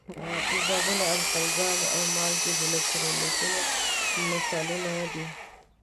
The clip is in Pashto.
تیزابونه، القلي ګانې او مالګې د الکترولیتونو مثالونه دي.